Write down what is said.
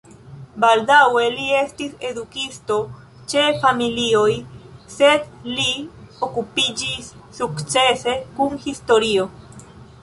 Baldaŭe li estis edukisto ĉe familioj, sed li okupiĝis sukcese kun historio.